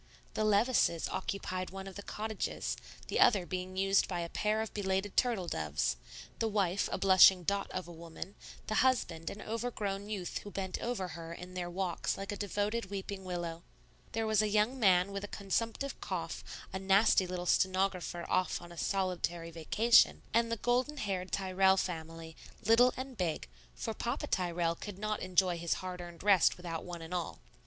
The Levices occupied one of the cottages, the other being used by a pair of belated turtle doves, the wife a blushing dot of a woman, the husband an overgrown youth who bent over her in their walks like a devoted weeping willow; there was a young man with a consumptive cough, a natty little stenographer off on a solitary vacation, and the golden haired Tyrrell family, little and big, for Papa Tyrrell could not enjoy his hard earned rest without one and all.